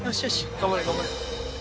頑張れ頑張れ。